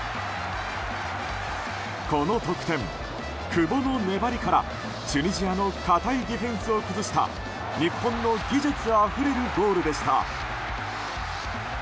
この得点、久保の粘りからチュニジアの堅いディフェンスを崩した日本の技術あふれるゴールでした。